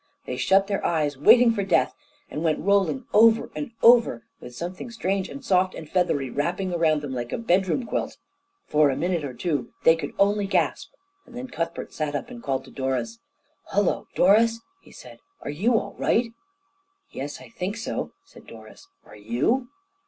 They shut their eyes, waiting for death, and then went rolling over and over, with something strange and soft and feathery wrapping them round like a bedroom quilt. For a minute or two they could only gasp, and then Cuthbert sat up and called to Doris. "Hullo, Doris!" he said; "are you all right?" "Yes, I think so," said Doris. "Are you?"